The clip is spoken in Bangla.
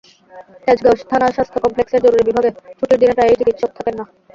তেজগাঁও থানা স্বাস্থ্য কমপ্লেক্সের জরুরি বিভাগে ছুটির দিনে প্রায়ই চিকিৎসক থাকেন না।